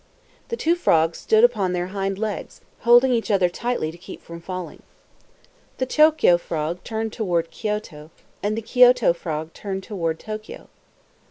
The two frogs stood upon their hind legs, holding each other tightly to keep from falling. The Tokio frog turned toward Kioto, and the Kioto frog turned toward Tokio.